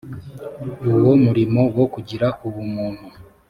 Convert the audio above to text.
uwo murimo wo kugira ubuntu